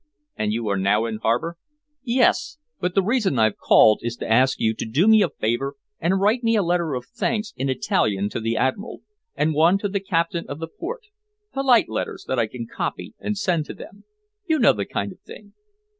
"And you are now in harbor?" "Yes. But the reason I've called is to ask you to do me a favor and write me a letter of thanks in Italian to the Admiral, and one to the Captain of the Port polite letters that I can copy and send to them. You know the kind of thing."